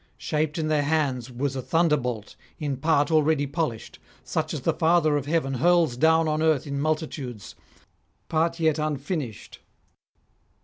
Shaped in their hands was a thunderbolt, in part already polished, such as the Father of Heaven hurls down on earth in multitudes, part yet unfinished.